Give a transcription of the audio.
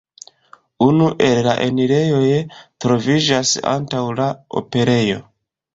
Unu el la enirejoj troviĝas antaŭ la operejo.